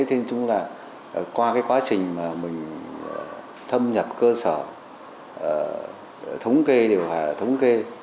thì qua cái quá trình mà mình thâm nhập cơ sở thống kê điều hòa thống kê